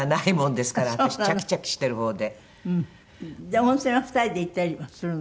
温泉は２人で行ったりはするの？